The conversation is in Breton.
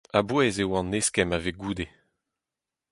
A-bouez eo an eskemm a vez goude.